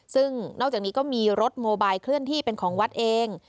ซึ่งนอกจากนี้ก็มีรถโมบายเคลื่อนที่เป็นของวัดเอง